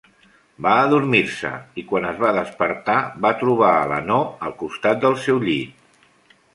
Va adormir-se i, quan es va despertar, va trobar el Hanaud al costat del seu llit.